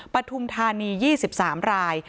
ปฐุมธานี๒๓ราย